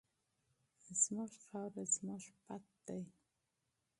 زموږ خاوره زموږ عزت دی.